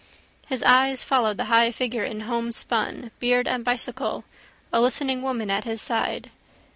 His eyes followed the high figure in homespun, beard and bicycle, a listening woman at his side.